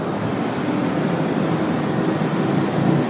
ที่หุ้มน่ะแล้วขอบคุณนะครับ